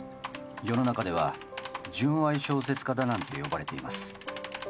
世の中では純愛小説家だなんて呼ばれています